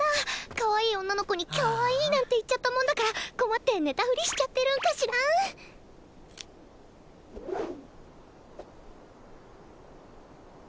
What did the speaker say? かわいい女の子に「キャワイイ」なんて言っちゃったもんだから困って寝たふりしちゃってるんかしらん？